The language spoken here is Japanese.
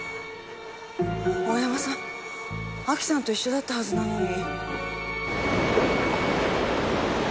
大山さんアキさんと一緒だったはずなのに。